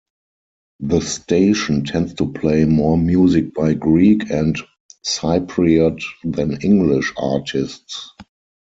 The station tends to play more music by Greek and Cypriot than English artists.